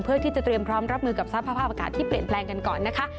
เพื่อที่จะเตรียมพร้อมรับมือกับสภาพอากาศที่เปลี่ยนแปลงกันก่อนนะคะ